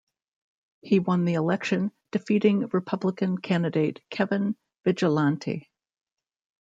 He won the election, defeating Republican candidate Kevin Vigilante.